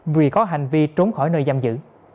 vì có hành vi trốn khỏi nơi giam giữ